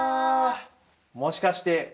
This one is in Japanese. もしかして？